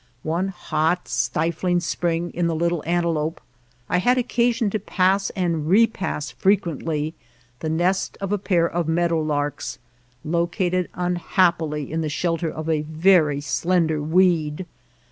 One hot, stifling spring in the Little Antelope I had occa sion to pass and repass frequently the nest of a pair of meadowlarks, located unhap pily in the shelter of a very slender weed.